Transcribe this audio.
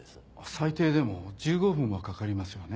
最低でも１５分はかかりますよね。